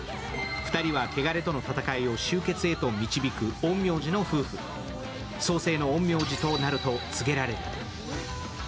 ２人はケガレとの戦いを終結へと導く、陰陽師の夫婦、双星の陰陽師となると告げられる。